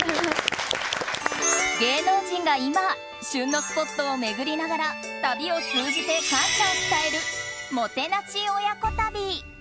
芸能人が今旬のスポットを巡りながら旅を通じて感謝を伝えるもてなし親子旅。